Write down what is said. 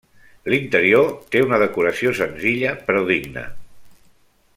L'interior té una decoració senzilla, però digna.